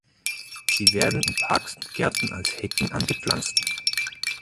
Sie werden in Parks und Gärten als Hecken angepflanzt.